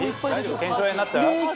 腱鞘炎になっちゃう？」